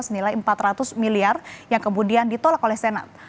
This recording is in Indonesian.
senilai empat ratus miliar yang kemudian ditolak oleh senat